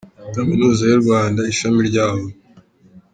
Kaminuza y’u Rwanda Ishami rya Huye